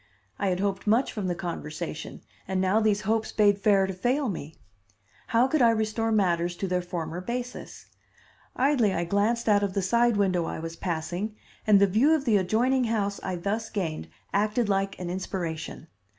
I had hoped much from the conversation, and now these hopes bade fair to fail me. How could I restore matters to their former basis? Idly I glanced out of the side window I was passing, and the view of the adjoining house I thus gained acted like an inspiration.